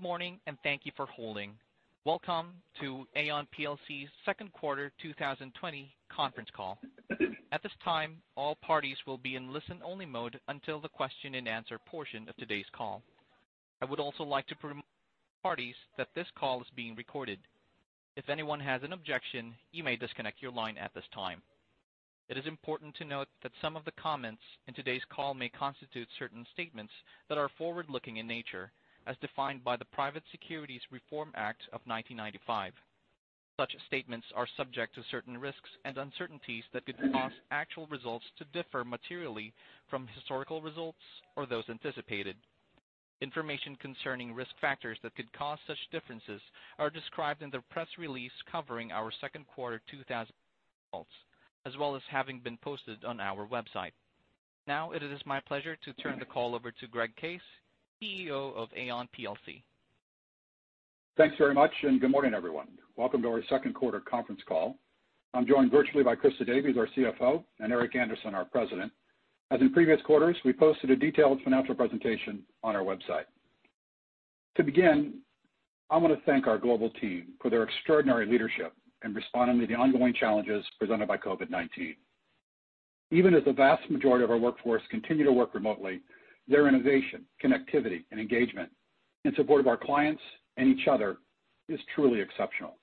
Good morning, and thank you for holding. Welcome to Aon PLC's second quarter 2020 conference call. At this time, all parties will be in listen-only mode until the question and answer portion of today's call. I would also like to remind parties that this call is being recorded. If anyone has an objection, you may disconnect your line at this time. It is important to note that some of the comments in today's call may constitute certain statements that are forward-looking in nature, as defined by the Private Securities Reform Act of 1995. Such statements are subject to certain risks and uncertainties that could cause actual results to differ materially from historical results or those anticipated. Information concerning risk factors that could cause such differences are described in the press release covering our second quarter 2020 results, as well as having been posted on our website. Now it is my pleasure to turn the call over to Greg Case, CEO of Aon PLC. Thanks very much, and good morning, everyone. Welcome to our second quarter conference call. I'm joined virtually by Christa Davies, our CFO, and Eric Andersen, our President. As in previous quarters, we posted a detailed financial presentation on our website. To begin, I want to thank our global team for their extraordinary leadership in responding to the ongoing challenges presented by COVID-19. Even as the vast majority of our workforce continue to work remotely, their innovation, connectivity, and engagement in support of our clients and each other is truly exceptional.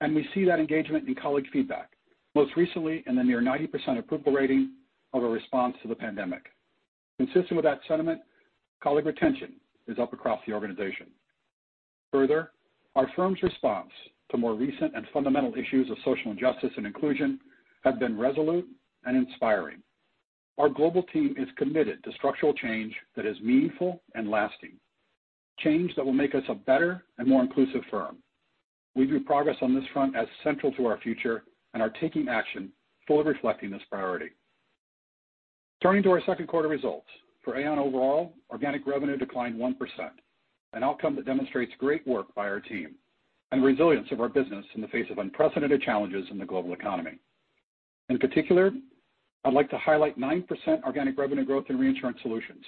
We see that engagement in colleague feedback, most recently in the near 90% approval rating of a response to the pandemic. Consistent with that sentiment, colleague retention is up across the organization. Further, our firm's response to more recent and fundamental issues of social injustice and inclusion have been resolute and inspiring. Our global team is committed to structural change that is meaningful and lasting, change that will make us a better and more inclusive firm. We view progress on this front as central to our future and are taking action fully reflecting this priority. Turning to our second quarter results. For Aon overall, organic revenue declined 1%, an outcome that demonstrates great work by our team and the resilience of our business in the face of unprecedented challenges in the global economy. In particular, I'd like to highlight 9% organic revenue growth in Reinsurance Solutions,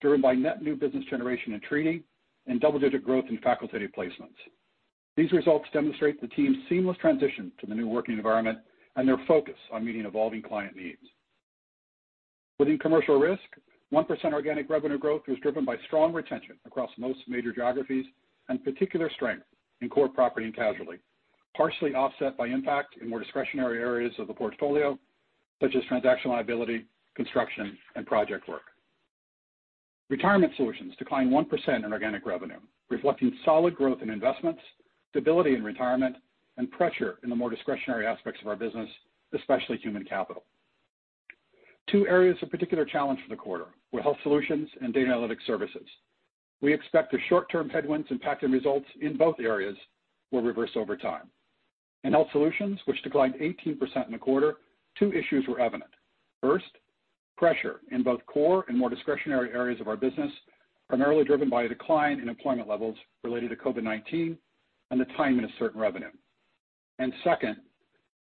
driven by net new business generation in treaty and double-digit growth in fac placements. These results demonstrate the team's seamless transition to the new working environment and their focus on meeting evolving client needs. Within Commercial Risk, 1% organic revenue growth was driven by strong retention across most major geographies and particular strength in core property and casualty, partially offset by impact in more discretionary areas of the portfolio, such as transactional liability, construction, and project work. Retirement Solutions declined 1% in organic revenue, reflecting solid growth in investments, stability in retirement, and pressure in the more discretionary aspects of our business, especially human capital. two areas of particular challenge for the quarter were Health Solutions and Data & Analytic Services. We expect the short-term headwinds impacting results in both areas will reverse over time. In Health Solutions, which declined 18% in the quarter, two issues were evident. First, pressure in both core and more discretionary areas of our business, primarily driven by a decline in employment levels related to COVID-19 and the timing of certain revenue. Second,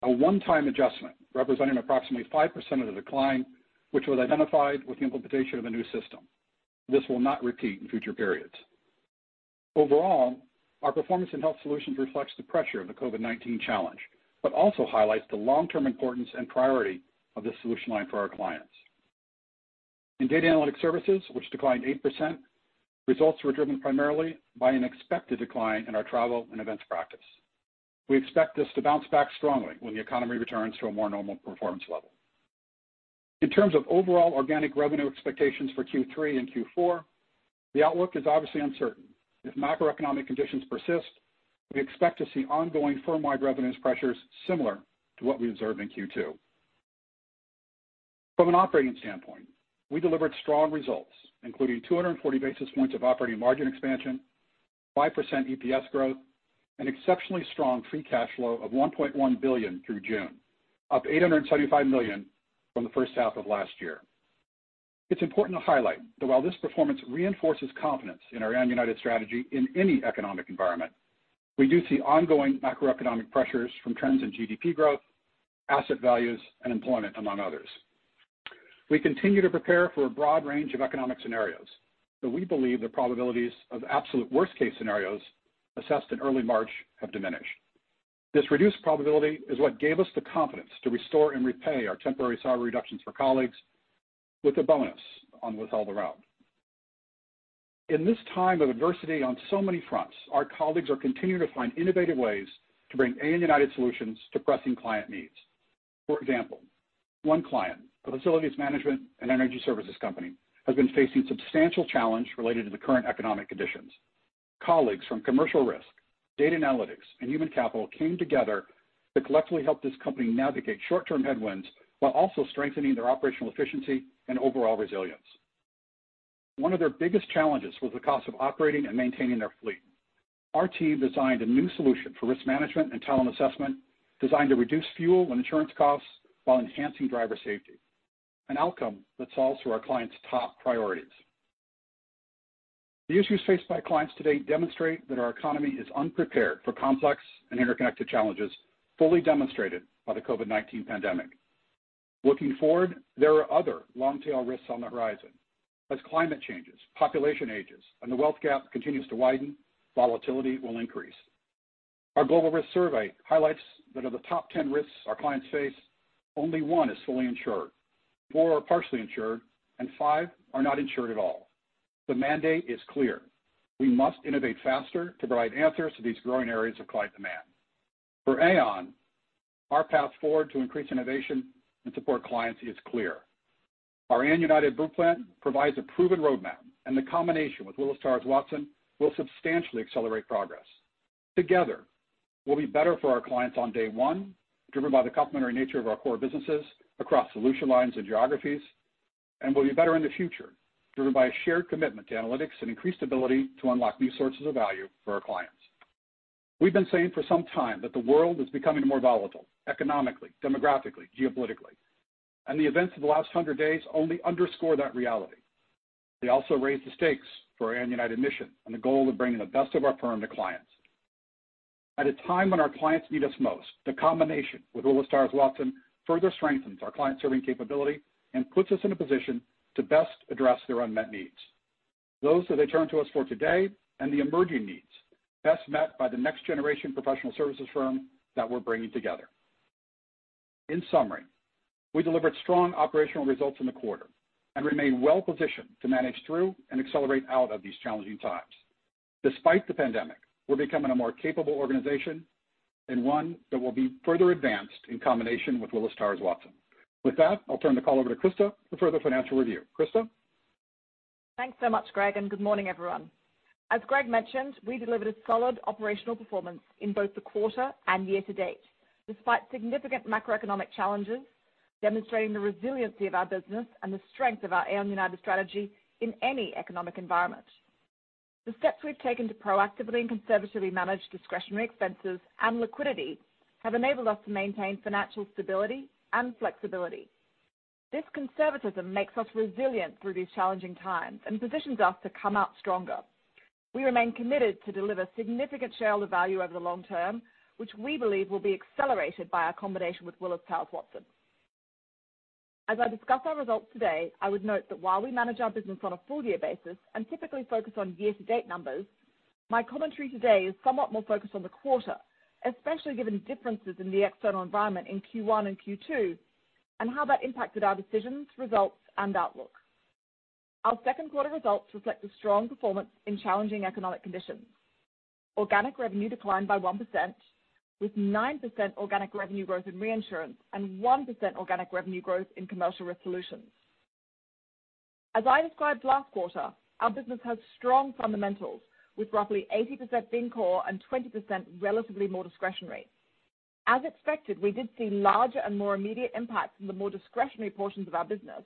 a one-time adjustment representing approximately 5% of the decline, which was identified with the implementation of a new system. This will not repeat in future periods. Overall, our performance in Health Solutions reflects the pressure of the COVID-19 challenge, but also highlights the long-term importance and priority of this solution line for our clients. In Data & Analytic Services, which declined 8%, results were driven primarily by an expected decline in our travel and events practice. We expect this to bounce back strongly when the economy returns to a more normal performance level. In terms of overall organic revenue expectations for Q3 and Q4, the outlook is obviously uncertain. If macroeconomic conditions persist, we expect to see ongoing firm-wide revenues pressures similar to what we observed in Q2. From an operating standpoint, we delivered strong results, including 240 basis points of operating margin expansion, 5% EPS growth, an exceptionally strong free cash flow of $1.1 billion through June, up $875 million from the first half of last year. It's important to highlight that while this performance reinforces confidence in our Aon United strategy in any economic environment, we do see ongoing macroeconomic pressures from trends in GDP growth, asset values, and employment, among others. We continue to prepare for a broad range of economic scenarios, we believe the probabilities of absolute worst-case scenarios assessed in early March have diminished. This reduced probability is what gave us the confidence to restore and repay our temporary salary reductions for colleagues with a bonus on withheld amount. In this time of adversity on so many fronts, our colleagues are continuing to find innovative ways to bring Aon United solutions to pressing client needs. For example, one client, a facilities management and energy services company, has been facing substantial challenge related to the current economic conditions. Colleagues from Commercial Risk, Data Analytics, and human capital came together to collectively help this company navigate short-term headwinds while also strengthening their operational efficiency and overall resilience. One of their biggest challenges was the cost of operating and maintaining their fleet. Our team designed a new solution for risk management and talent assessment designed to reduce fuel and insurance costs while enhancing driver safety, an outcome that solves for our client's top priorities. The issues faced by clients today demonstrate that our economy is unprepared for complex and interconnected challenges fully demonstrated by the COVID-19 pandemic. Looking forward, there are other long tail risks on the horizon. As climate changes, population ages, and the wealth gap continues to widen, volatility will increase. Our global risk survey highlights that of the top 10 risks our clients face, only one is fully insured, four are partially insured, and five are not insured at all. The mandate is clear. We must innovate faster to provide answers to these growing areas of client demand. For Aon, our path forward to increase innovation and support clients is clear. Our Aon United blueprint provides a proven roadmap, and the combination with Willis Towers Watson will substantially accelerate progress. Together, we'll be better for our clients on day one, driven by the complementary nature of our core businesses across solution lines and geographies, and we'll be better in the future, driven by a shared commitment to analytics and increased ability to unlock new sources of value for our clients. We've been saying for some time that the world is becoming more volatile economically, demographically, geopolitically. The events of the last 100 days only underscore that reality. They also raise the stakes for Aon United mission and the goal of bringing the best of our firm to clients. At a time when our clients need us most, the combination with Willis Towers Watson further strengthens our client-serving capability and puts us in a position to best address their unmet needs. Those that they turn to us for today and the emerging needs best met by the next generation professional services firm that we're bringing together. In summary, we delivered strong operational results in the quarter and remain well positioned to manage through and accelerate out of these challenging times. Despite the pandemic, we're becoming a more capable organization and one that will be further advanced in combination with Willis Towers Watson. With that, I'll turn the call over to Christa for further financial review. Christa? Thanks so much, Greg. Good morning, everyone. As Greg mentioned, we delivered a solid operational performance in both the quarter and year to date, despite significant macroeconomic challenges, demonstrating the resiliency of our business and the strength of our Aon United strategy in any economic environment. The steps we've taken to proactively and conservatively manage discretionary expenses and liquidity have enabled us to maintain financial stability and flexibility. This conservatism makes us resilient through these challenging times and positions us to come out stronger. We remain committed to deliver significant shareholder value over the long term, which we believe will be accelerated by our combination with Willis Towers Watson. As I discuss our results today, I would note that while we manage our business on a full year basis and typically focus on year to date numbers, my commentary today is somewhat more focused on the quarter, especially given differences in the external environment in Q1 and Q2, and how that impacted our decisions, results, and outlook. Our second quarter results reflect the strong performance in challenging economic conditions. Organic revenue declined by 1%, with 9% organic revenue growth in Reinsurance Solutions and 1% organic revenue growth in Commercial Risk Solutions. As I described last quarter, our business has strong fundamentals, with roughly 80% being core and 20% relatively more discretionary. As expected, we did see larger and more immediate impacts in the more discretionary portions of our business,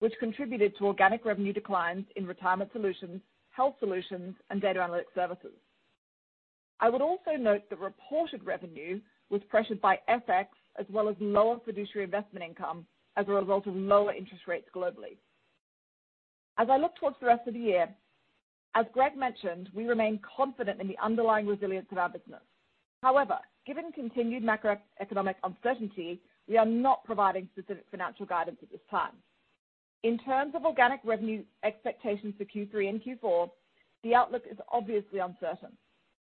which contributed to organic revenue declines in Retirement Solutions, Health Solutions, and Data & Analytic Services. I would also note that reported revenue was pressured by FX as well as lower fiduciary investment income as a result of lower interest rates globally. As I look towards the rest of the year, as Greg mentioned, we remain confident in the underlying resilience of our business. Given continued macroeconomic uncertainty, we are not providing specific financial guidance at this time. In terms of organic revenue expectations for Q3 and Q4, the outlook is obviously uncertain.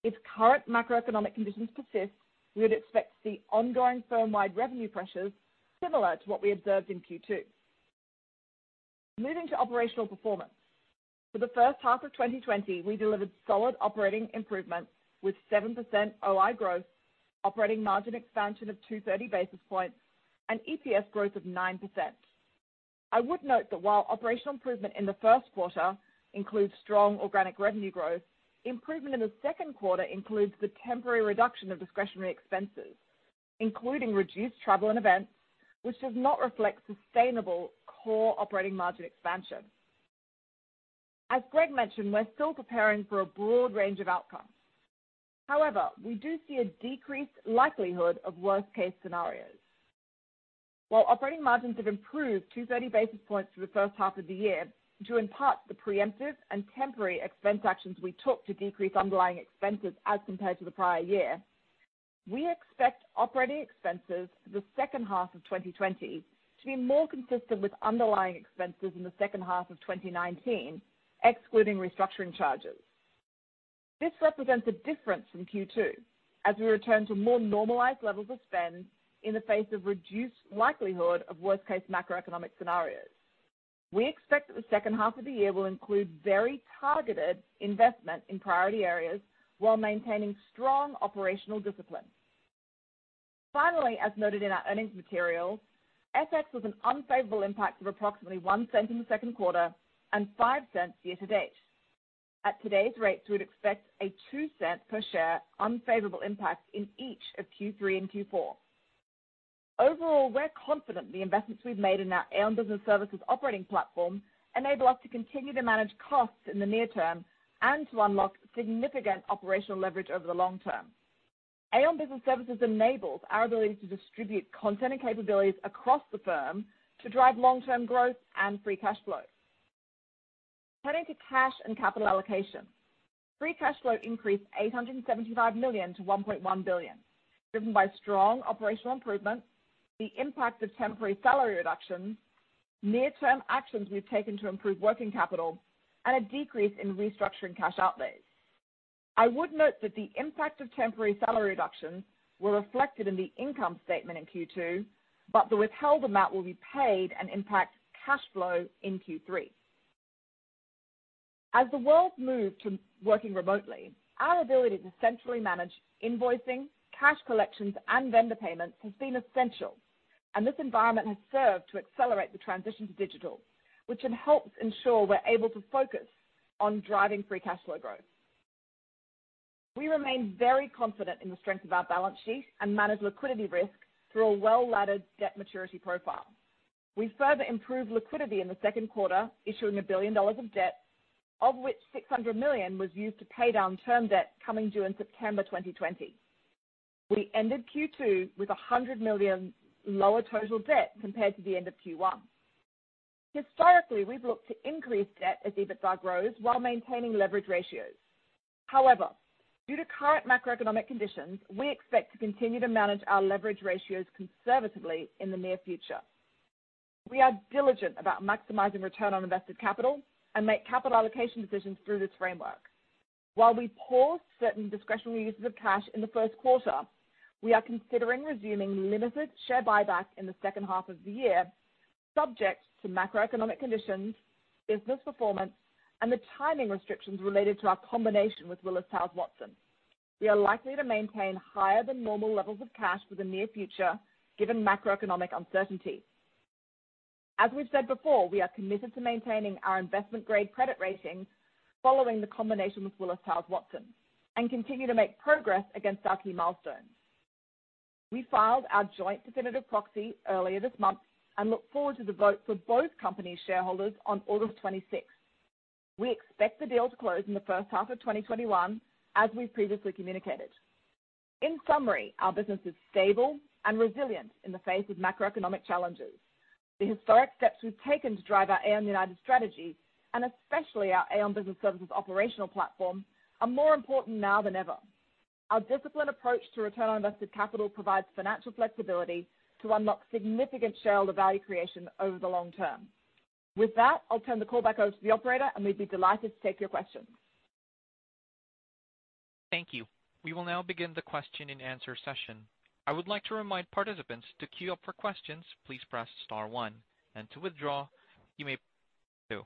If current macroeconomic conditions persist, we would expect the ongoing firm-wide revenue pressures similar to what we observed in Q2. Moving to operational performance. For the first half of 2020, we delivered solid operating improvement with 7% OI growth, operating margin expansion of 230 basis points, and EPS growth of 9%. I would note that while operational improvement in the first quarter includes strong organic revenue growth, improvement in the second quarter includes the temporary reduction of discretionary expenses, including reduced travel and events, which does not reflect sustainable core operating margin expansion. As Greg mentioned, we're still preparing for a broad range of outcomes. We do see a decreased likelihood of worst case scenarios. While operating margins have improved 230 basis points through the first half of the year, due in part to the preemptive and temporary expense actions we took to decrease underlying expenses as compared to the prior year, we expect operating expenses for the second half of 2020 to be more consistent with underlying expenses in the second half of 2019, excluding restructuring charges. This represents a difference from Q2, as we return to more normalized levels of spend in the face of reduced likelihood of worst case macroeconomic scenarios. We expect that the second half of the year will include very targeted investment in priority areas while maintaining strong operational discipline. Finally, as noted in our earnings materials, FX was an unfavorable impact of approximately $0.01 in the second quarter and $0.05 year to date. At today's rates, we would expect a $0.02 per share unfavorable impact in each of Q3 and Q4. Overall, we're confident the investments we've made in our Aon Business Services operating platform enable us to continue to manage costs in the near term and to unlock significant operational leverage over the long term. Aon Business Services enables our ability to distribute content and capabilities across the firm to drive long-term growth and free cash flow. Turning to cash and capital allocation. Free cash flow increased $875 million to $1.1 billion, driven by strong operational improvements, the impact of temporary salary reductions, near-term actions we've taken to improve working capital, and a decrease in restructuring cash outlays. I would note that the impact of temporary salary reductions were reflected in the income statement in Q2, but the withheld amount will be paid and impact cash flow in Q3. As the world moved to working remotely, our ability to centrally manage invoicing, cash collections, and vendor payments has been essential, and this environment has served to accelerate the transition to digital, which has helped ensure we're able to focus on driving free cash flow growth. We remain very confident in the strength of our balance sheet and manage liquidity risk through a well-laddered debt maturity profile. We further improved liquidity in the second quarter, issuing $1 billion of debt, of which $600 million was used to pay down term debt coming due in September 2020. We ended Q2 with $100 million lower total debt compared to the end of Q1. Historically, we've looked to increase debt as EBITDA grows while maintaining leverage ratios. Due to current macroeconomic conditions, we expect to continue to manage our leverage ratios conservatively in the near future. We are diligent about maximizing return on invested capital and make capital allocation decisions through this framework. While we paused certain discretionary uses of cash in the first quarter, we are considering resuming limited share buyback in the second half of the year, subject to macroeconomic conditions, business performance, and the timing restrictions related to our combination with Willis Towers Watson. We are likely to maintain higher than normal levels of cash for the near future given macroeconomic uncertainty. As we've said before, we are committed to maintaining our investment-grade credit rating following the combination with Willis Towers Watson and continue to make progress against our key milestones. We filed our joint definitive proxy earlier this month and look forward to the vote for both companies' shareholders on August 26th. We expect the deal to close in the first half of 2021, as we've previously communicated. In summary, our business is stable and resilient in the face of macroeconomic challenges. The historic steps we've taken to drive our Aon United strategy, and especially our Aon Business Services operational platform, are more important now than ever. Our disciplined approach to return on invested capital provides financial flexibility to unlock significant shareholder value creation over the long term. With that, I'll turn the call back over to the operator, and we'd be delighted to take your questions. Thank you. We will now begin the question and answer session. I would like to remind participants to queue up for questions, please press star one, and to withdraw, you may press two.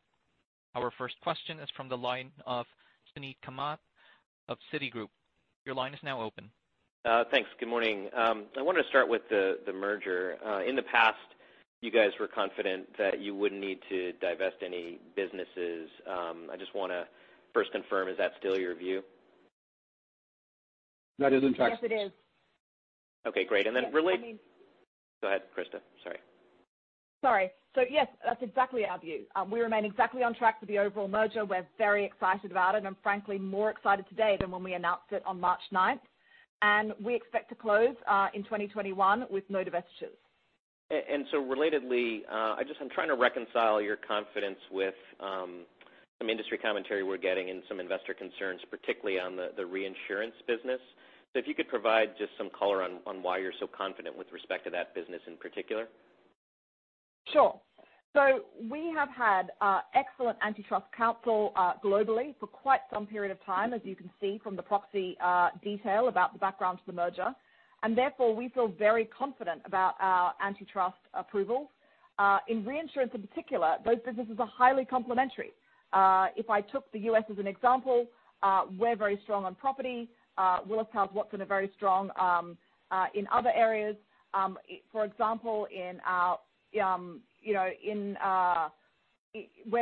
Our first question is from the line of Suneet Kamath of Citigroup. Your line is now open. Thanks. Good morning. I wanted to start with the merger. In the past, you guys were confident that you wouldn't need to divest any businesses. I just want to first confirm, is that still your view? That is in track. Yes, it is. Okay, great. Yes. Go ahead, Christa. Sorry. Sorry. Yes, that's exactly our view. We remain exactly on track for the overall merger. We're very excited about it and frankly, more excited today than when we announced it on March 9th. We expect to close in 2021 with no divestitures. Relatedly, I'm trying to reconcile your confidence with some industry commentary we're getting and some investor concerns, particularly on the reinsurance business. If you could provide just some color on why you're so confident with respect to that business in particular. Sure. We have had excellent antitrust counsel globally for quite some period of time, as you can see from the proxy detail about the background to the merger, and therefore, we feel very confident about our antitrust approval. In reinsurance, in particular, those businesses are highly complementary. If I took the U.S. as an example, we're very strong on property. Willis Towers Watson are very strong in other areas. For example, we're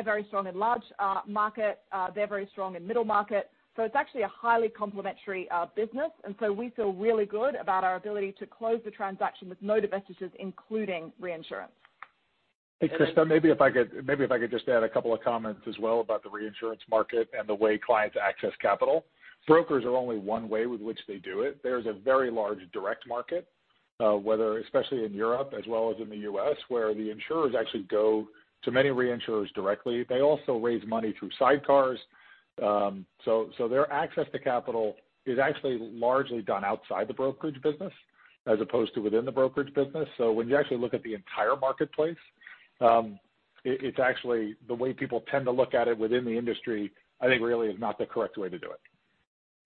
very strong in large market. They're very strong in middle market. It's actually a highly complementary business. We feel really good about our ability to close the transaction with no divestitures, including reinsurance. Hey, Christa, maybe if I could just add a couple of comments as well about the reinsurance market and the way clients access capital. Brokers are only one way with which they do it. There's a very large direct market, especially in Europe as well as in the U.S., where the insurers actually go to many reinsurers directly. They also raise money through sidecars. Their access to capital is actually largely done outside the brokerage business as opposed to within the brokerage business. When you actually look at the entire marketplace, it's actually the way people tend to look at it within the industry, I think really is not the correct way to do it.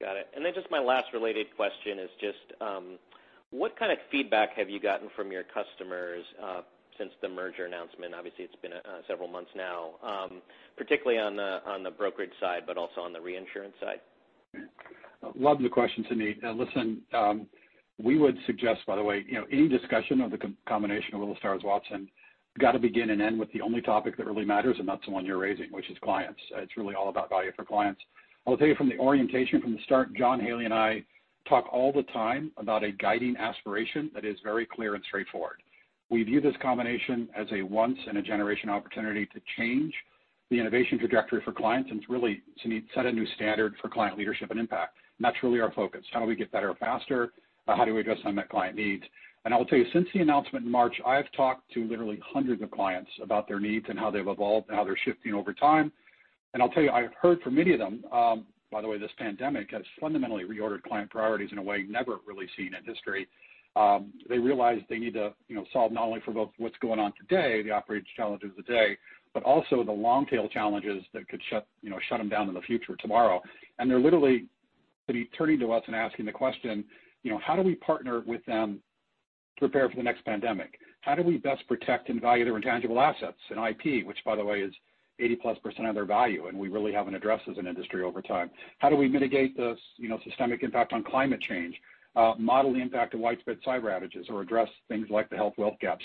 Got it. Just my last related question is just, what kind of feedback have you gotten from your customers since the merger announcement? Obviously, it's been several months now, particularly on the brokerage side, but also on the reinsurance side. Love the question, Suneet. Listen, we would suggest, by the way, any discussion of the combination of Willis Towers Watson got to begin and end with the only topic that really matters, and that's the one you're raising, which is clients. It's really all about value for clients. I will tell you from the orientation, from the start, John Haley and I talk all the time about a guiding aspiration that is very clear and straightforward. We view this combination as a once in a generation opportunity to change the innovation trajectory for clients and to really, Suneet, set a new standard for client leadership and impact. That's really our focus. How do we get better faster? How do we address unmet client needs? I will tell you, since the announcement in March, I have talked to literally hundreds of clients about their needs and how they've evolved and how they're shifting over time. I'll tell you, I've heard from many of them. By the way, this pandemic has fundamentally reordered client priorities in a way never really seen in history. They realize they need to solve not only for both what's going on today, the operating challenges of today, but also the long tail challenges that could shut them down in the future, tomorrow. They're literally turning to us and asking the question, how do we partner with them to prepare for the next pandemic? How do we best protect and value their intangible assets and IP, which, by the way, is 80-plus% of their value, and we really haven't addressed as an industry over time. How do we mitigate the systemic impact on climate change, model the impact of widespread cyber outages, or address things like the health-wealth gap?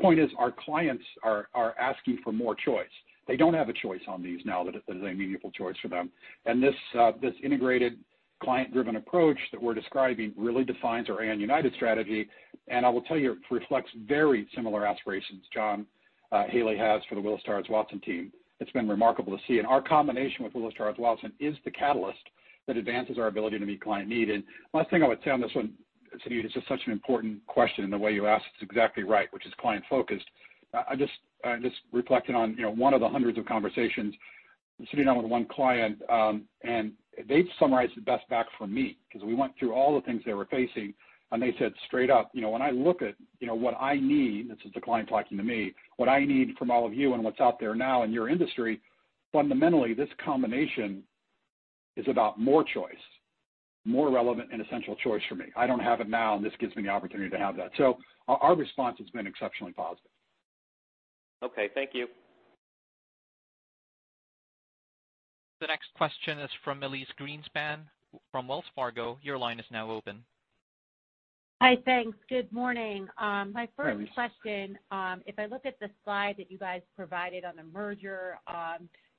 Point is, our clients are asking for more choice. They don't have a choice on these now that is a meaningful choice for them. This integrated client-driven approach that we're describing really defines our Aon United strategy. I will tell you, it reflects very similar aspirations John Haley has for the Willis Towers Watson team. It's been remarkable to see. Our combination with Willis Towers Watson is the catalyst that advances our ability to meet client need. Last thing I would say on this one, Suneet, it's just such an important question, and the way you ask it is exactly right, which is client-focused. I'm just reflecting on one of the hundreds of conversations sitting down with one client, and they summarized it best back for me, because we went through all the things they were facing, and they said straight up, When I look at what I need, this is the client talking to me, what I need from all of you and what's out there now in your industry, fundamentally, this combination is about more choice, more relevant and essential choice for me. I don't have it now, and this gives me the opportunity to have that. Our response has been exceptionally positive. Okay. Thank you. The next question is from Elyse Greenspan from Wells Fargo. Your line is now open. Hi, thanks. Good morning. Hi, Elyse. My first question, if I look at the slide that you guys provided on the merger,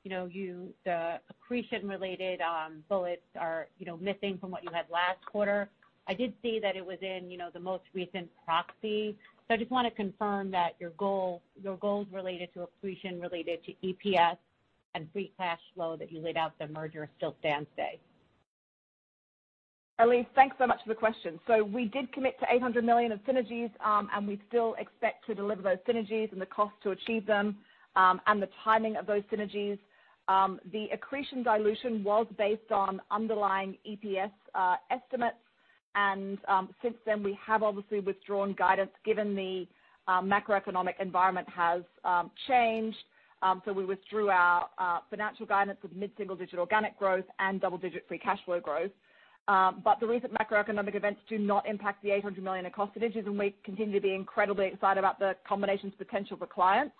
the accretion-related bullets are missing from what you had last quarter. I did see that it was in the most recent proxy. I just want to confirm that your goals related to accretion related to EPS and free cash flow that you laid out the merger still stands today. Elyse, thanks so much for the question. We did commit to $800 million of synergies, and we still expect to deliver those synergies and the cost to achieve them, and the timing of those synergies. The accretion dilution was based on underlying EPS estimates, and since then, we have obviously withdrawn guidance given the macroeconomic environment has changed. We withdrew our financial guidance of mid-single digit organic growth and double-digit free cash flow growth. The recent macroeconomic events do not impact the $800 million in cost synergies, and we continue to be incredibly excited about the combination's potential for clients.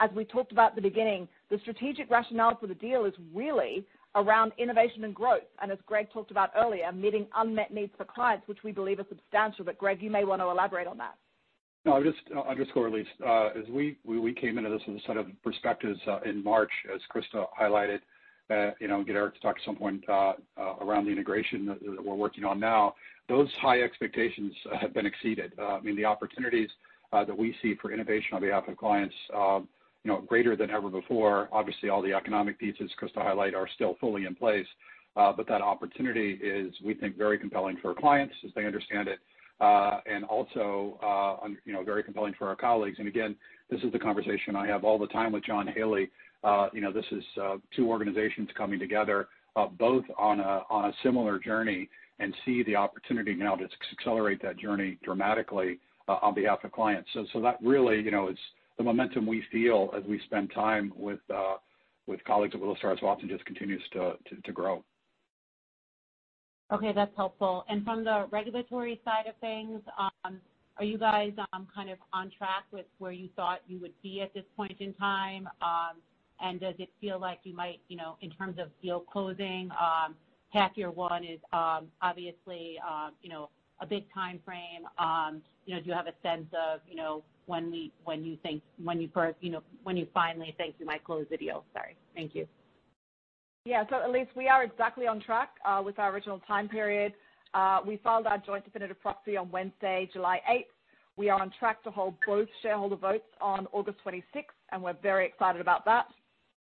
As we talked about at the beginning, the strategic rationale for the deal is really around innovation and growth, and as Greg talked about earlier, meeting unmet needs for clients, which we believe are substantial. Greg, you may want to elaborate on that. I'll just underscore, Elyse. As we came into this with a set of perspectives in March, as Christa highlighted, we can get Eric to talk at some point around the integration that we're working on now. Those high expectations have been exceeded. I mean, the opportunities that we see for innovation on behalf of clients, greater than ever before. Obviously, all the economic pieces Christa highlighted are still fully in place. That opportunity is, we think, very compelling for our clients as they understand it. Also very compelling for our colleagues. Again, this is the conversation I have all the time with John Haley. This is two organizations coming together, both on a similar journey and see the opportunity now to accelerate that journey dramatically on behalf of clients. That really is the momentum we feel as we spend time with colleagues at Willis Towers Watson, just continues to grow. Okay, that's helpful. From the regulatory side of things, are you guys on track with where you thought you would be at this point in time? Does it feel like you might, in terms of deal closing, half year one is obviously a big timeframe. Do you have a sense of when you finally think you might close the deal? Sorry. Thank you. Yeah. Elyse, we are exactly on track with our original time period. We filed our joint definitive proxy on Wednesday, July 8th. We are on track to hold both shareholder votes on August 26th, and we're very excited about that.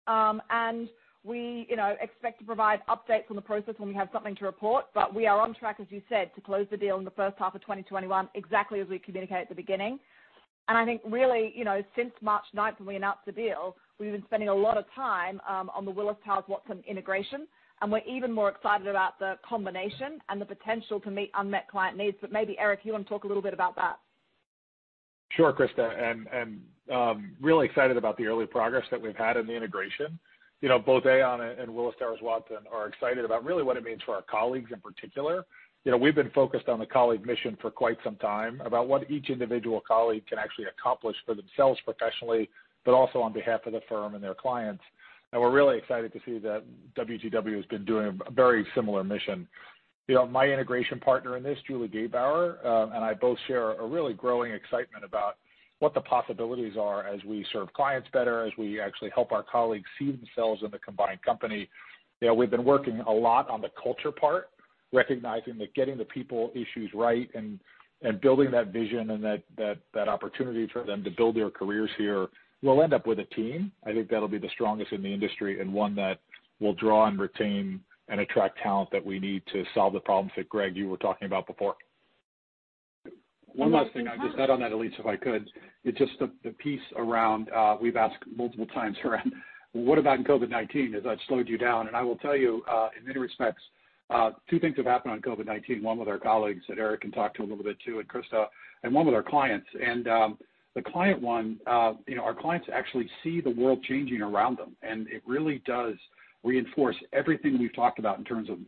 And we expect to provide updates on the process when we have something to report. But we are on track, as you said, to close the deal in the first half of 2021, exactly as we communicated at the beginning. And I think really, since March 9th when we announced the deal, we've been spending a lot of time on the Willis Towers Watson integration, and we're even more excited about the combination and the potential to meet unmet client needs. Maybe, Eric, you want to talk a little bit about that? Sure, Christa. Really excited about the early progress that we've had in the integration. Both Aon and Willis Towers Watson are excited about really what it means for our colleagues in particular. We've been focused on the colleague mission for quite some time about what each individual colleague can actually accomplish for themselves professionally, but also on behalf of the firm and their clients. We're really excited to see that WTW has been doing a very similar mission. My integration partner in this, Julie Gebauer, and I both share a really growing excitement about what the possibilities are as we serve clients better, as we actually help our colleagues see themselves in the combined company. We've been working a lot on the culture part, recognizing that getting the people issues right and building that vision and that opportunity for them to build their careers here, we'll end up with a team. I think that'll be the strongest in the industry and one that will draw and retain and attract talent that we need to solve the problems that, Greg, you were talking about before. One last thing I'd just add on that, Elyse, if I could. It's just the piece around, we've asked multiple times around what about in COVID-19? Has that slowed you down? I will tell you, in many respects, two things have happened on COVID-19. One with our colleagues that Eric can talk to a little bit too, and Christa, and one with our clients. Our clients actually see the world changing around them. It really does reinforce everything we've talked about in terms of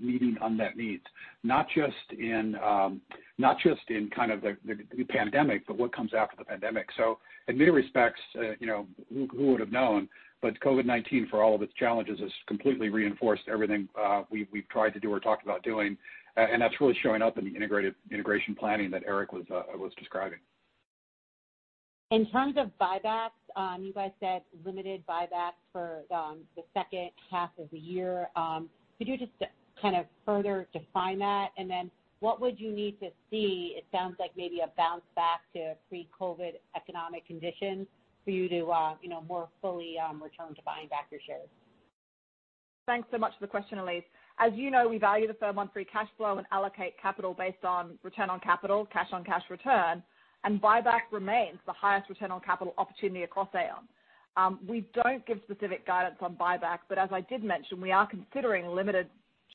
meeting unmet needs, not just in the pandemic, but what comes after the pandemic. In many respects, who would have known? COVID-19, for all of its challenges, has completely reinforced everything we've tried to do or talked about doing. That's really showing up in the integration planning that Eric was describing. In terms of buybacks, you guys said limited buybacks for the second half of the year. Could you just further define that? What would you need to see, it sounds like maybe a bounce back to pre-COVID economic conditions for you to more fully return to buying back your shares? Thanks so much for the question, Elyse. As you know, we value the firm on free cash flow and allocate capital based on return on capital, cash on cash return, and buyback remains the highest return on capital opportunity across Aon. We don't give specific guidance on buyback, but as I did mention, we are considering limited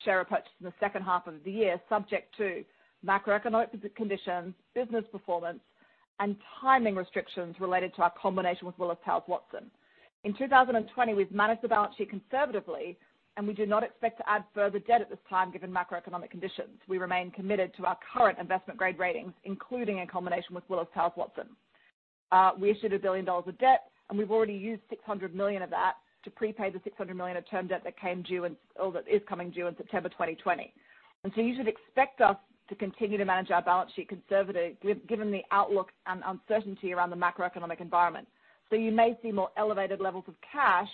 share repurchase in the second half of the year, subject to macroeconomic conditions, business performance, and timing restrictions related to our combination with Willis Towers Watson. In 2020, we've managed the balance sheet conservatively, and we do not expect to add further debt at this time given macroeconomic conditions. We remain committed to our current investment-grade ratings, including in combination with Willis Towers Watson. We issued $1 billion of debt, and we've already used $600 million of that to prepay the $600 million of term debt that is coming due in September 2020. You should expect us to continue to manage our balance sheet conservative given the outlook and uncertainty around the macroeconomic environment. You may see more elevated levels of cash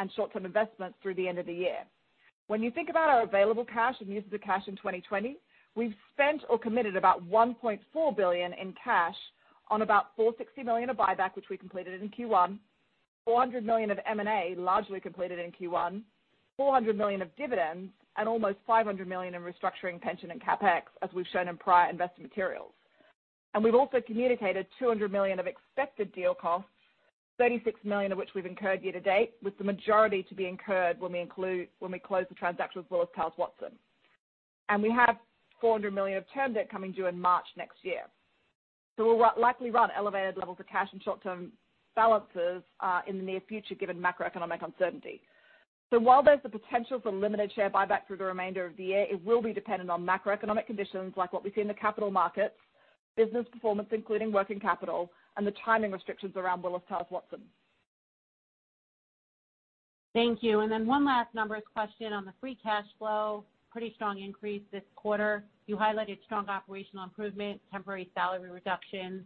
and short-term investments through the end of the year. When you think about our available cash and use of the cash in 2020, we've spent or committed about $1.4 billion in cash on about $460 million of buyback, which we completed in Q1, $400 million of M&A, largely completed in Q1, $400 million of dividends, and almost $500 million in restructuring pension and CapEx, as we've shown in prior investor materials. We've also communicated $200 million of expected deal costs, $36 million of which we've incurred year to date, with the majority to be incurred when we close the transaction with Willis Towers Watson. We have $400 million of term debt coming due in March next year. We'll likely run elevated levels of cash and short-term balances in the near future given macroeconomic uncertainty. While there's the potential for limited share buyback through the remainder of the year, it will be dependent on macroeconomic conditions like what we see in the capital markets, business performance, including working capital, and the timing restrictions around Willis Towers Watson. Thank you. Then one last numbers question on the free cash flow. Pretty strong increase this quarter. You highlighted strong operational improvement, temporary salary reductions,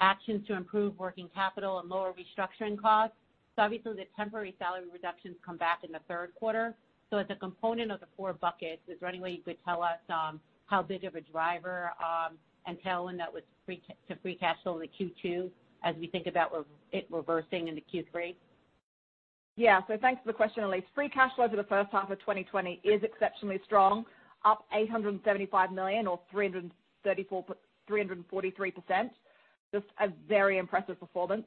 actions to improve working capital and lower restructuring costs. Obviously the temporary salary reductions come back in the third quarter. As a component of the four buckets, is there any way you could tell us how big of a driver and tailwind that was to free cash flow to Q2 as we think about it reversing into Q3? Thanks for the question, Elyse. Free cash flow for the first half of 2020 is exceptionally strong, up $875 million or 343%, just a very impressive performance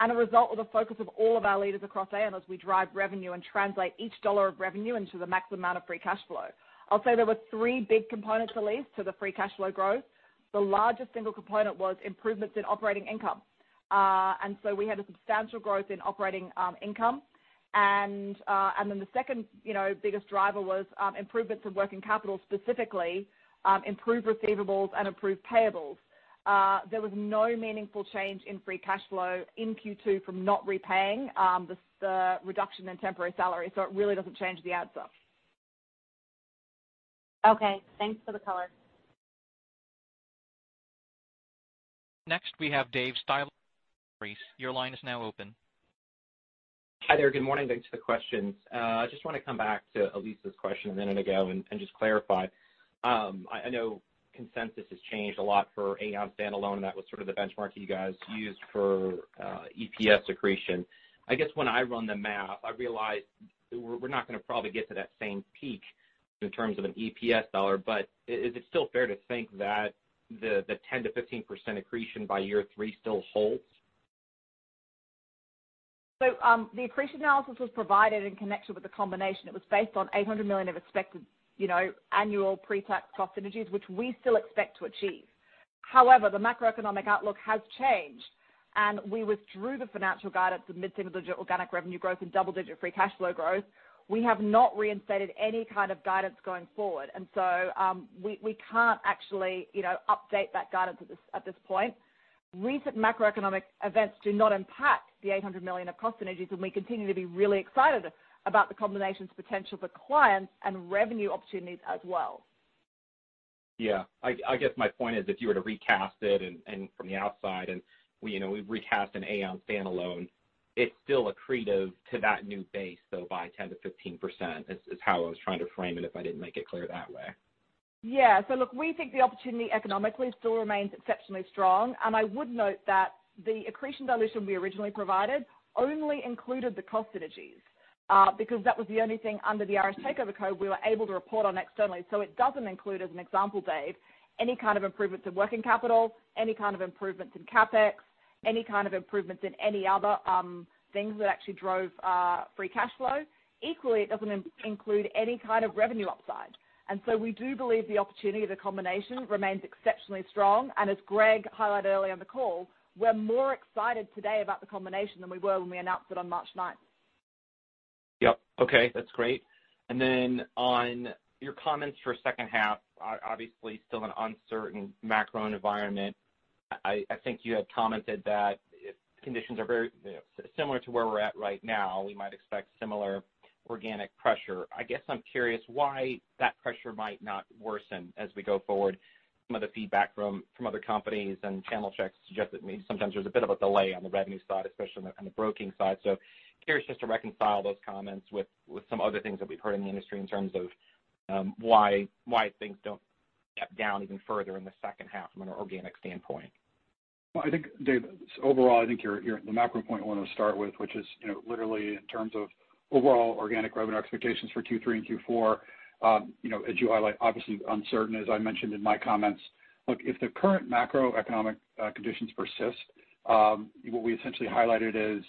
and a result of the focus of all of our leaders across Aon as we drive revenue and translate each dollar of revenue into the max amount of free cash flow. I'll say there were three big components, Elyse, to the free cash flow growth. The largest single component was improvements in operating income. We had a substantial growth in operating income. The second biggest driver was improvements in working capital, specifically improved receivables and improved payables. There was no meaningful change in free cash flow in Q2 from not repaying the reduction in temporary salary, so it really doesn't change the answer. Okay, thanks for the color. We have Dave your line is now open. Hi there. Good morning. Thanks for the questions. I just want to come back to Elyse's question a minute ago and just clarify. I know consensus has changed a lot for Aon standalone. That was sort of the benchmark you guys used for EPS accretion. I guess when I run the math, I realize we're not going to probably get to that same peak in terms of an EPS dollar, but is it still fair to think that the 10%-15% accretion by year three still holds? The accretion analysis was provided in connection with the combination. It was based on $800 million of expected annual pre-tax cost synergies, which we still expect to achieve. However, the macroeconomic outlook has changed, and we withdrew the financial guidance of mid-single digit organic revenue growth and double-digit free cash flow growth. We have not reinstated any kind of guidance going forward, and we can't actually update that guidance at this point. Recent macroeconomic events do not impact the $800 million of cost synergies, and we continue to be really excited about the combination's potential for clients and revenue opportunities as well. I guess my point is if you were to recast it and from the outside and we recast an Aon standalone, it's still accretive to that new base, so by 10%-15% is how I was trying to frame it if I didn't make it clear that way. Yeah. Look, we think the opportunity economically still remains exceptionally strong. I would note that the accretion dilution we originally provided only included the cost synergies. Because that was the only thing under the Irish Takeover Rules we were able to report on externally. It doesn't include, as an example, Dave, any kind of improvements in working capital, any kind of improvements in CapEx, any kind of improvements in any other things that actually drove free cash flow. Equally, it doesn't include any kind of revenue upside. We do believe the opportunity of the combination remains exceptionally strong. As Greg highlighted earlier in the call, we're more excited today about the combination than we were when we announced it on March 9th. Yep. Okay, that's great. On your comments for second half, obviously still an uncertain macro environment. I think you had commented that if conditions are very similar to where we're at right now, we might expect similar organic pressure. I guess I'm curious why that pressure might not worsen as we go forward. Some of the feedback from other companies and channel checks suggest that maybe sometimes there's a bit of a delay on the revenue side, especially on the broking side. Curious just to reconcile those comments with some other things that we've heard in the industry in terms of why things don't get down even further in the second half from an organic standpoint. Well, I think, Dave, overall, I think the macro point I want to start with, which is literally in terms of overall organic revenue expectations for Q3 and Q4. As you highlight, obviously uncertain, as I mentioned in my comments. Look, if the current macroeconomic conditions persist, what we essentially highlighted is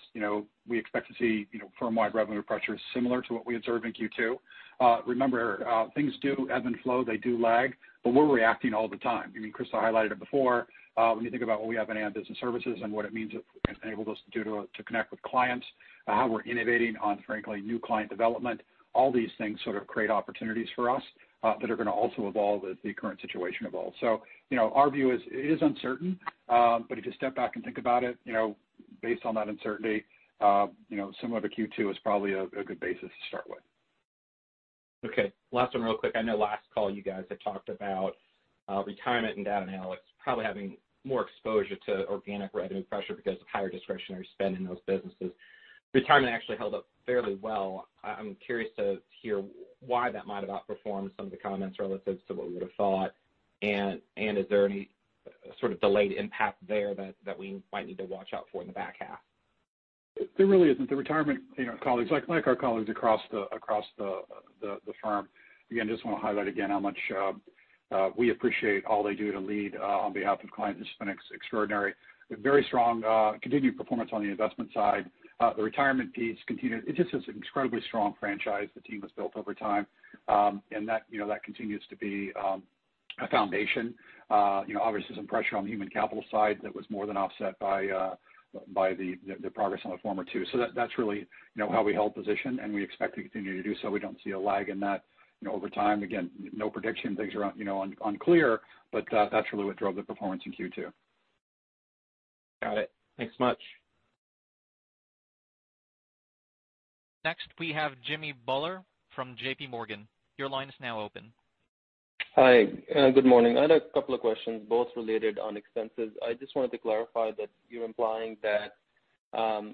we expect to see firm-wide revenue pressures similar to what we observed in Q2. Remember, things do ebb and flow. They do lag, but we're reacting all the time. Christa highlighted it before. When you think about what we have in Aon Business Services and what it means it's enabled us to do to connect with clients, how we're innovating on, frankly, new client development, all these things sort of create opportunities for us that are going to also evolve as the current situation evolves. Our view is it is uncertain, but if you step back and think about it, based on that uncertainty, similar to Q2 is probably a good basis to start with. Okay. Last one real quick. I know last call you guys had talked about retirement and data analytics probably having more exposure to organic revenue pressure because of higher discretionary spend in those businesses. Retirement actually held up fairly well. I'm curious to hear why that might have outperformed some of the comments relative to what we would've thought. Is there any sort of delayed impact there that we might need to watch out for in the back half? There really isn't. The retirement colleagues, like our colleagues across the firm, again, just want to highlight again how much we appreciate all they do to lead on behalf of clients. It's been extraordinary. A very strong continued performance on the investment side. The Retirement piece continued. It just is an incredibly strong franchise the team has built over time. That continues to be a foundation. Obviously, some pressure on the human capital side that was more than offset by the progress on the former two. That's really how we held position, and we expect to continue to do so. We don't see a lag in that over time. Again, no prediction. Things are unclear, but that's really what drove the performance in Q2. Got it. Thanks much. Next, we have Jimmy Bhullar from JPMorgan. Your line is now open. Hi, good morning. I had a couple of questions, both related on expenses. I just wanted to clarify that you're implying that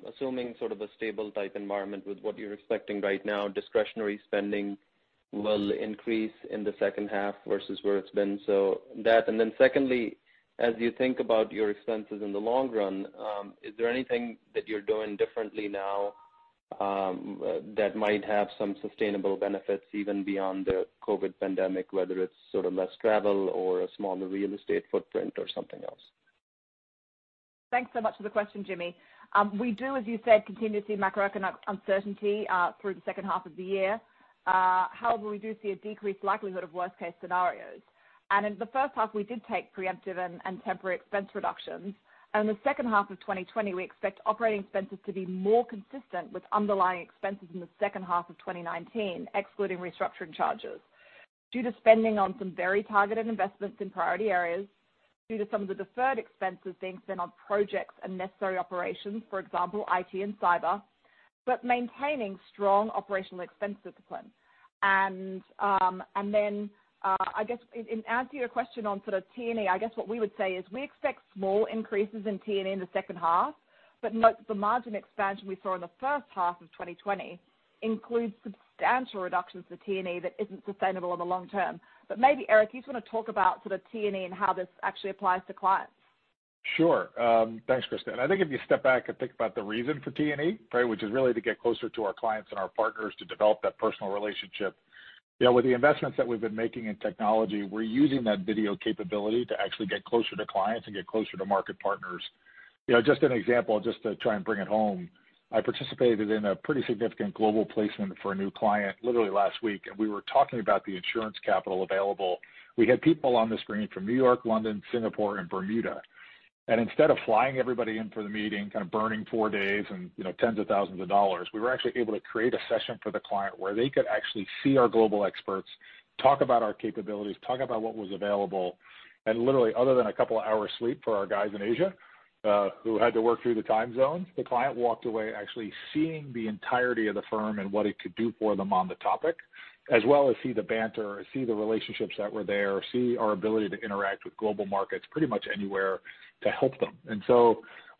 assuming sort of a stable type environment with what you're expecting right now, discretionary spending will increase in the second half versus where it's been. That, and then secondly, as you think about your expenses in the long run, is there anything that you're doing differently now that might have some sustainable benefits even beyond the COVID pandemic, whether it's sort of less travel or a smaller real estate footprint or something else? Thanks so much for the question, Jimmy. We do, as you said, continue to see macroeconomic uncertainty through the second half of the year. We do see a decreased likelihood of worst case scenarios. In the first half, we did take preemptive and temporary expense reductions. In the second half of 2020, we expect operating expenses to be more consistent with underlying expenses in the second half of 2019, excluding restructuring charges due to spending on some very targeted investments in priority areas, due to some of the deferred expenses being spent on projects and necessary operations, for example, IT and cyber, but maintaining strong operational expense discipline. I guess in answer to your question on sort of T&E, I guess what we would say is we expect small increases in T&E in the second half, but note that the margin expansion we saw in the first half of 2020 includes substantial reductions to T&E that isn't sustainable in the long term. Maybe, Eric, you just want to talk about sort of T&E and how this actually applies to clients. Sure. Thanks, Christa. I think if you step back and think about the reason for T&E, right, which is really to get closer to our clients and our partners to develop that personal relationship. With the investments that we've been making in technology, we're using that video capability to actually get closer to clients and get closer to market partners. Just an example, just to try and bring it home. I participated in a pretty significant global placement for a new client literally last week, and we were talking about the insurance capital available. We had people on the screen from New York, London, Singapore and Bermuda. Instead of flying everybody in for the meeting, kind of burning four days and tens of thousands of dollars, we were actually able to create a session for the client where they could actually see our global experts, talk about our capabilities, talk about what was available, and literally, other than a couple of hours sleep for our guys in Asia who had to work through the time zones, the client walked away actually seeing the entirety of the firm and what it could do for them on the topic, as well as see the banter or see the relationships that were there, see our ability to interact with global markets pretty much anywhere to help them.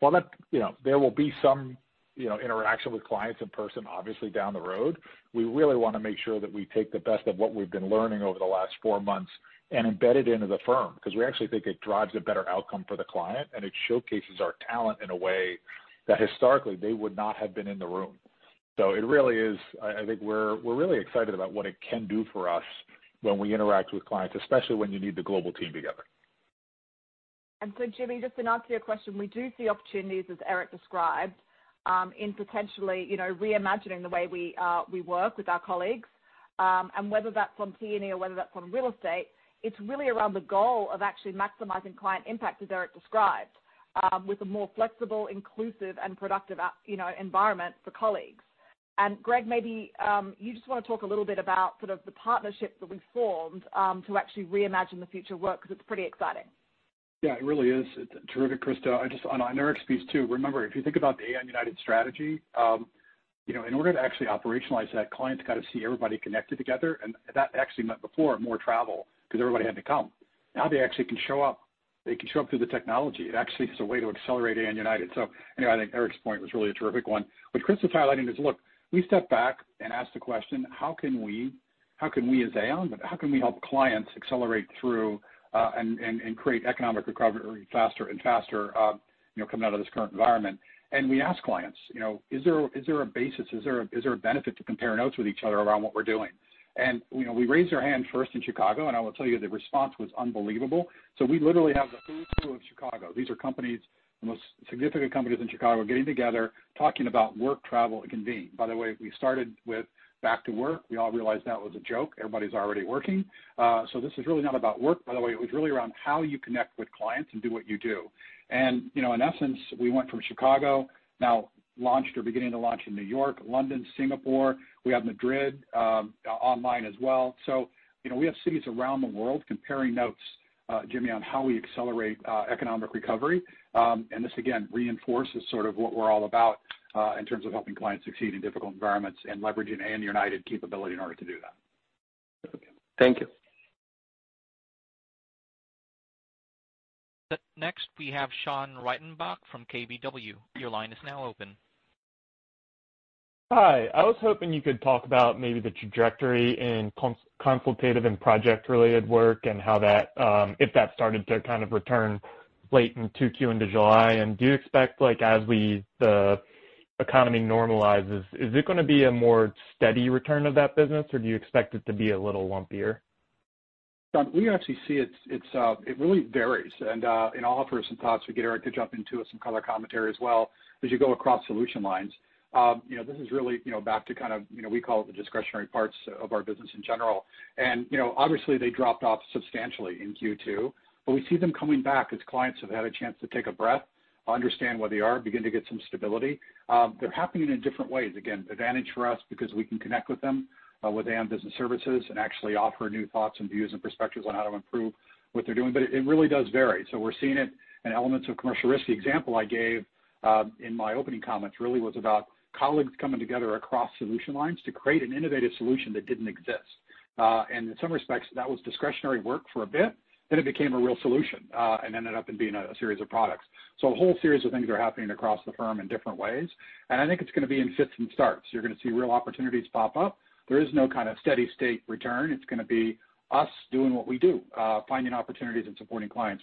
While there will be some interaction with clients in person, obviously, down the road, we really want to make sure that we take the best of what we've been learning over the last four months and embed it into the firm because we actually think it drives a better outcome for the client, and it showcases our talent in a way that historically they would not have been in the room. I think we're really excited about what it can do for us when we interact with clients, especially when you need the global team together. Jimmy, just to answer your question, we do see opportunities, as Eric described, in potentially reimagining the way we work with our colleagues. Whether that's from T&E or whether that's from real estate, it's really around the goal of actually maximizing client impact, as Eric described, with a more flexible, inclusive, and productive environment for colleagues. Greg, maybe you just want to talk a little bit about the partnership that we formed to actually reimagine the future of work, because it's pretty exciting. Yeah, it really is. Terrific, Christa. On Eric's piece too, remember, if you think about the Aon United strategy, in order to actually operationalize that, clients got to see everybody connected together, and that actually meant before, more travel because everybody had to come. Now they actually can show up. They can show up through the technology. It actually is a way to accelerate Aon United. Anyway, I think Eric's point was really a terrific one. What Christa's highlighting is, look, we step back and ask the question, how can we as Aon, but how can we help clients accelerate through, and create economic recovery faster and faster coming out of this current environment? We ask clients, is there a basis, is there a benefit to compare notes with each other around what we're doing? We raised our hand first in Chicago, and I will tell you the response was unbelievable. We literally have the who's who of Chicago. These are the most significant companies in Chicago getting together, talking about work, travel, and convene. By the way, we started with back to work. We all realized that was a joke. Everybody's already working. This is really not about work, by the way. It was really around how you connect with clients and do what you do. In essence, we went from Chicago, now launched or beginning to launch in New York, London, Singapore. We have Madrid online as well. We have cities around the world comparing notes, Jimmy, on how we accelerate economic recovery. This, again, reinforces sort of what we're all about, in terms of helping clients succeed in difficult environments and leveraging Aon United capability in order to do that. Thank you. Next, we have Sean Reitenbach from KBW. Your line is now open. Hi. I was hoping you could talk about maybe the trajectory in consultative and project-related work and if that started to kind of return late in Q2 into July. Do you expect as the economy normalizes, is it going to be a more steady return of that business, or do you expect it to be a little lumpier? Sean, we actually see it really varies. I'll offer some thoughts, we get Eric to jump in, too, with some color commentary as well as you go across solution lines. This is really back to kind of, we call it the discretionary parts of our business in general. Obviously, they dropped off substantially in Q2. We see them coming back as clients have had a chance to take a breath, understand where they are, begin to get some stability. They're happening in different ways. Again, advantage for us because we can connect with them, with Aon Business Services and actually offer new thoughts and views and perspectives on how to improve what they're doing. It really does vary. We're seeing it in elements of Commercial Risk. The example I gave in my opening comments really was about colleagues coming together across solution lines to create an innovative solution that didn't exist. In some respects, that was discretionary work for a bit, then it became a real solution, and ended up in being a series of products. A whole series of things are happening across the firm in different ways, and I think it's going to be in fits and starts. You're going to see real opportunities pop up. There is no kind of steady state return. It's going to be us doing what we do, finding opportunities and supporting clients.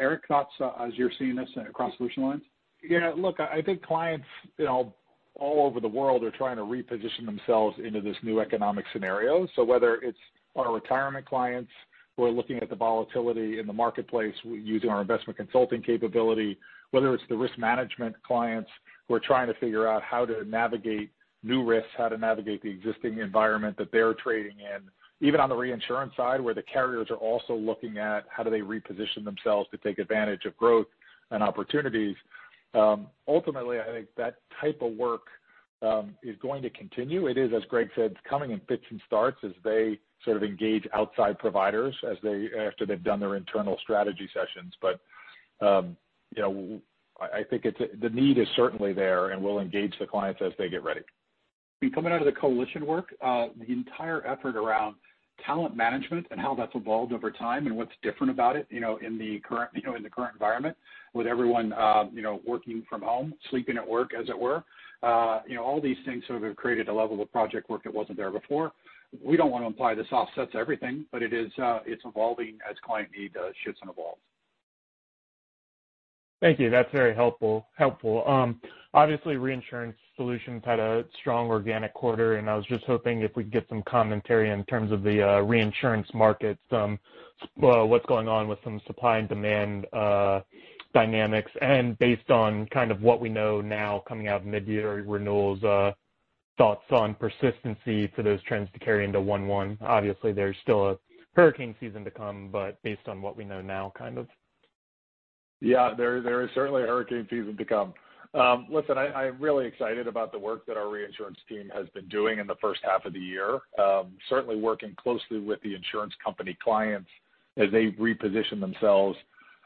Eric, thoughts as you're seeing this across solution lines? Yeah, look, I think clients all over the world are trying to reposition themselves into this new economic scenario. Whether it's our retirement clients who are looking at the volatility in the marketplace using our investment consulting capability, whether it's the risk management clients who are trying to figure out how to navigate new risks, how to navigate the existing environment that they're trading in. Even on the reinsurance side, where the carriers are also looking at how do they reposition themselves to take advantage of growth and opportunities. Ultimately, I think that type of work is going to continue. It is, as Greg said, coming in fits and starts as they sort of engage outside providers after they've done their internal strategy sessions. I think the need is certainly there, and we'll engage the clients as they get ready. Coming out of the coalition work, the entire effort around talent management and how that's evolved over time and what's different about it in the current environment with everyone working from home, sleeping at work, as it were. All these things sort of have created a level of project work that wasn't there before. We don't want to imply this offsets everything, but it's evolving as client need shifts and evolves. Thank you. That's very helpful. Obviously, Reinsurance Solutions had a strong organic quarter. I was just hoping if we'd get some commentary in terms of the reinsurance market, what's going on with some supply and demand dynamics. Based on kind of what we know now coming out of midyear renewals, thoughts on persistency for those trends to carry into 1/1. Obviously, there's still a hurricane season to come, based on what we know now. There is certainly a hurricane season to come. Listen, I'm really excited about the work that our reinsurance team has been doing in the first half of the year. Certainly working closely with the insurance company clients as they reposition themselves.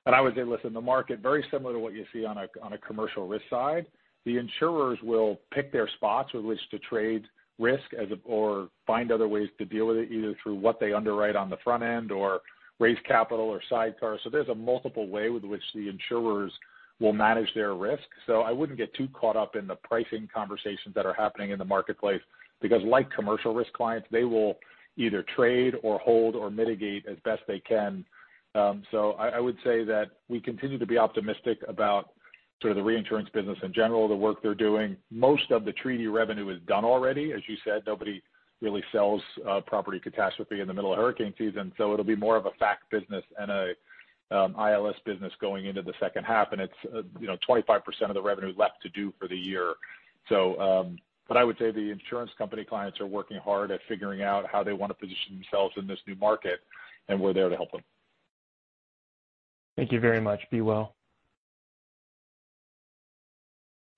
I would say, listen, the market, very similar to what you see on a Commercial Risk side. The insurers will pick their spots with which to trade risk or find other ways to deal with it, either through what they underwrite on the front end or raise capital or sidecar. There's a multiple way with which the insurers will manage their risk. I wouldn't get too caught up in the pricing conversations that are happening in the marketplace, because like Commercial Risk clients, they will either trade or hold or mitigate as best they can. I would say that we continue to be optimistic about- The reinsurance business in general, the work they're doing, most of the treaty revenue is done already. As you said, nobody really sells property catastrophe in the middle of hurricane season, so it'll be more of a fac business and an ILS business going into the second half, and it's 25% of the revenue left to do for the year. I would say the insurance company clients are working hard at figuring out how they want to position themselves in this new market, and we're there to help them. Thank you very much. Be well.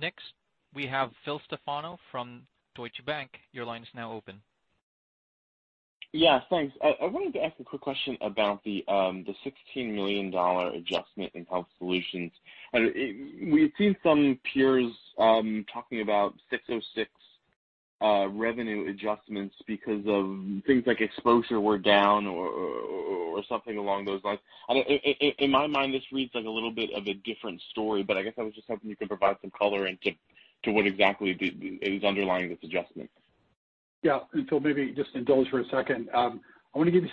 Next, we have Phil Stefano from Deutsche Bank. Your line is now open. Yes, thanks. I wanted to ask a quick question about the $16 million adjustment in Health Solutions. We've seen some peers talking about 606 revenue adjustments because of things like exposure were down or something along those lines. In my mind, this reads like a little bit of a different story, but I guess I was just hoping you could provide some color into what exactly is underlying this adjustment. Yeah. Phil, maybe just indulge for a second. I want to give you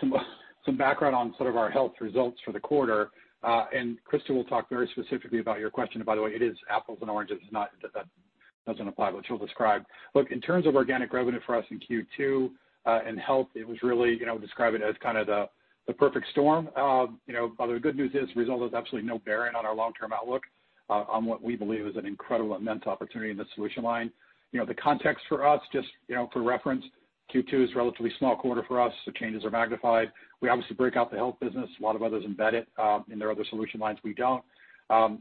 some background on our Health Solutions results for the quarter. Christa will talk very specifically about your question. By the way, it is apples and oranges. That doesn't apply, but she'll describe. Look, in terms of organic revenue for us in Q2, in Health Solutions, it was really described as the perfect storm. The good news is this result has absolutely no bearing on our long-term outlook on what we believe is an incredible immense opportunity in the solution line. The context for us, just for reference, Q2 is a relatively small quarter for us, so changes are magnified. We obviously break out the Health Solutions business. A lot of others embed it in their other solution lines. We don't.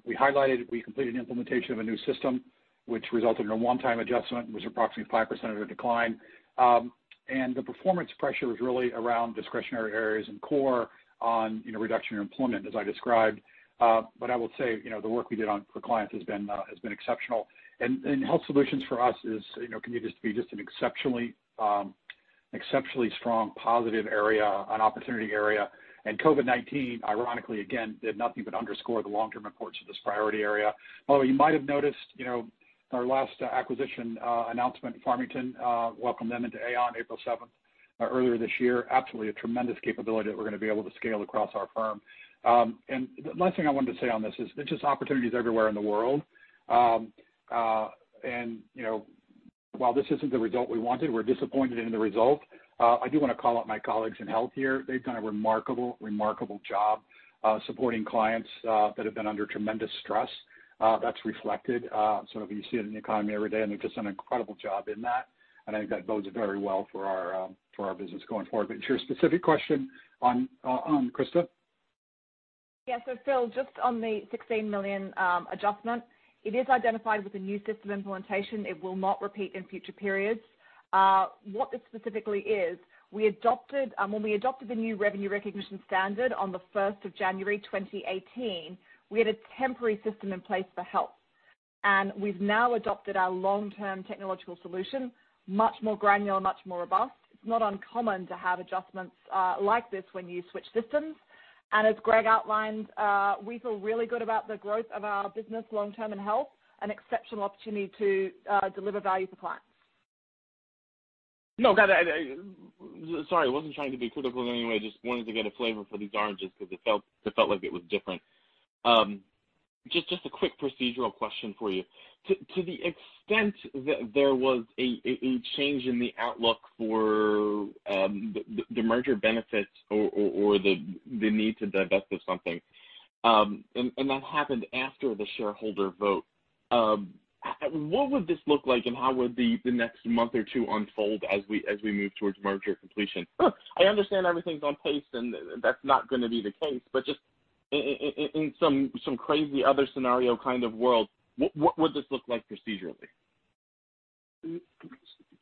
We highlighted, we completed implementation of a new system, which resulted in a one-time adjustment, which was approximately 5% of the decline. The performance pressure was really around discretionary areas and core Aon reduction in employment, as I described. I will say, the work we did for clients has been exceptional. Health Solutions for us can be just an exceptionally strong positive area, an opportunity area. COVID-19, ironically, again, did nothing but underscore the long-term importance of this priority area. You might have noticed, our last acquisition announcement, Farmington, welcomed them into Aon April 7th, earlier this year. Absolutely a tremendous capability that we're going to be able to scale across our firm. The last thing I wanted to say on this is there are just opportunities everywhere in the world. While this isn't the result we wanted, we're disappointed in the result, I do want to call out my colleagues in Health here. They've done a remarkable job supporting clients that have been under tremendous stress. That's reflected. If you see it in the economy every day, and they've just done an incredible job in that. I think that bodes very well for our business going forward. To your specific question, Christa? Yeah. Phil, just on the $16 million adjustment, it is identified with the new system implementation. It will not repeat in future periods. What this specifically is, when we adopted the new revenue recognition standard on the 1st of January 2018, we had a temporary system in place for Health. We've now adopted our long-term technological solution, much more granular, much more robust. It's not uncommon to have adjustments like this when you switch systems. As Greg outlined, we feel really good about the growth of our business long-term in Health, an exceptional opportunity to deliver value for clients. No, sorry, I wasn't trying to be critical in any way. I just wanted to get a flavor for these oranges because it felt like it was different. Just a quick procedural question for you. To the extent that there was a change in the outlook for the merger benefits or the need to divest of something, and that happened after the shareholder vote, what would this look like, and how would the next month or two unfold as we move towards merger completion? Look, I understand everything's on pace and that's not going to be the case, but just in some crazy other scenario kind of world, what would this look like procedurally?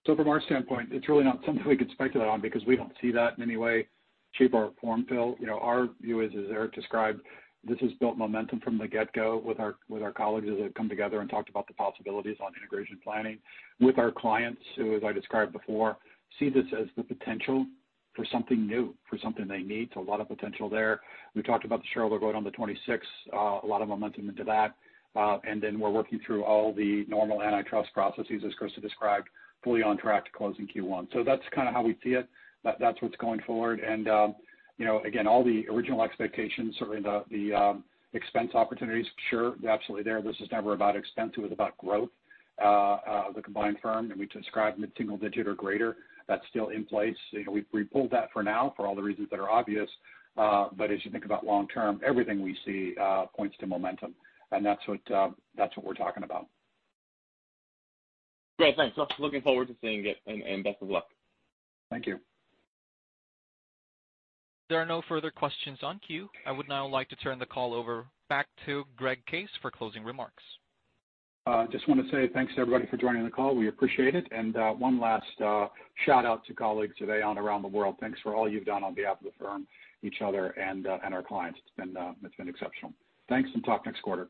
From our standpoint, it's really not something we could speculate on because we don't see that in any way, shape, or form, Phil. Our view is, as Eric described, this has built momentum from the get-go with our colleagues as they've come together and talked about the possibilities on integration planning with our clients who, as I described before, see this as the potential for something new, for something they need. A lot of potential there. We talked about the shareholder vote on the 26th, a lot of momentum into that. Then we're working through all the normal antitrust processes, as Krista described, fully on track to close in Q1. That's kind of how we see it. That's what's going forward. Again, all the original expectations, certainly the expense opportunities, sure, absolutely there. This is never about expense. It was about growth of the combined firm, and we described mid-single digit or greater. That's still in place. We pulled that for now for all the reasons that are obvious, but as you think about long-term, everything we see points to momentum, and that's what we're talking about. Great, thanks. Looking forward to seeing it, and best of luck. Thank you. There are no further questions on queue. I would now like to turn the call over back to Greg Case for closing remarks. Just want to say thanks to everybody for joining the call. We appreciate it. One last shout-out to colleagues at Aon around the world. Thanks for all you've done on behalf of the firm, each other, and our clients. It's been exceptional. Thanks, and talk next quarter.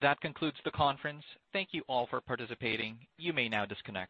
That concludes the conference. Thank you all for participating. You may now disconnect.